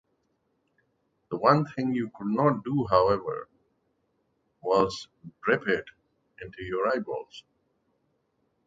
The one thing you could not do, however, was drip it into your eyeballs.